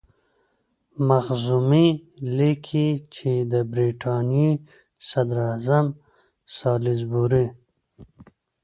مخزومي لیکي چې د برټانیې صدراعظم سالیزبوري.